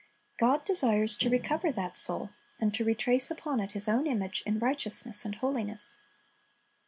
God desires to recover that soul, and to retrace upon it His own image in righteousness and holiness.